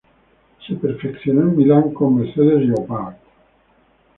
Se perfeccionó en Milán con Mercedes Llopart.